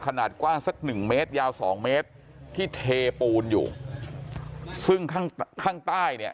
ขนาดกว้างสักหนึ่งเมตรยาวสองเมตรที่เทปูนอยู่ซึ่งข้างข้างใต้เนี่ย